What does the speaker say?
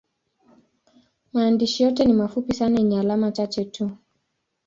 Maandishi yote ni mafupi sana yenye alama chache tu.